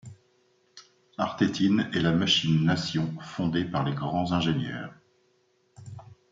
Arthetine est la Machine Nation fondée par les grands ingénieurs.